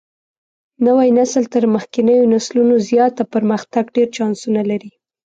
نوى نسل تر مخکېنيو نسلونو زيات د پرمختګ ډېر چانسونه لري.